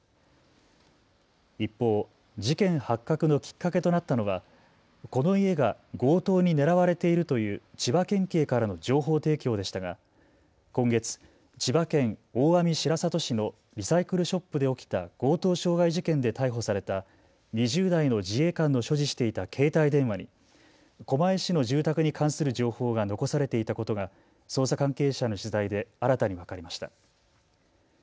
一方、事件発覚のきっかけとなったのは、この家が強盗に狙われているという千葉県警からの情報提供でしたが今月、千葉県大網白里市のリサイクルショップで起きた強盗傷害事件で逮捕された２０代の自衛官の所持していた携帯電話に狛江市の住宅に関する情報が残されていたことが捜査関係者への取材で新たに分かりました。